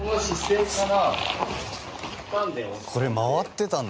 これ回ってたんだ。